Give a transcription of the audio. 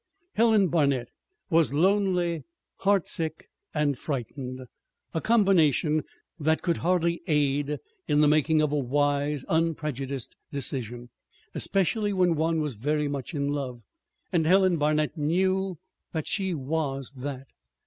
Helen Barnet was lonely, heartsick, and frightened a combination that could hardly aid in the making of a wise, unprejudiced decision, especially when one was very much in love. And Helen Barnet knew that she was that.